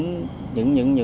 tài liệu chứng cứ